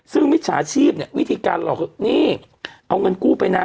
ซึ่งมิจฉาชีพเนี่ยวิธีการหลอกคือนี่เอาเงินกู้ไปนะ